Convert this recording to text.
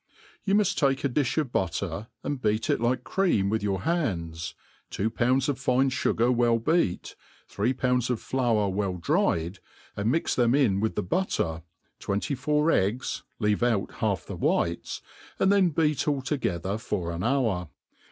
' YOU muft take a difli of butter, and beat it like cream Wfdi your hands, two pounds of fine fugar well beat, three pounds of flour well dried, and mix them in with the butter, twenty* four eggs, leave out half the whites, and then beat all toge« ther for an hour.